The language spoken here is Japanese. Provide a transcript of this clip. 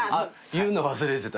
言うの忘れてた。